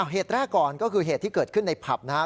เหตุแรกก่อนก็คือเหตุที่เกิดขึ้นในผับนะครับ